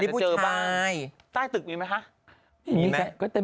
อันนี้มีอัต้าย